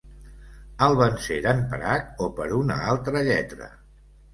El venceren per hac o per una altra lletra.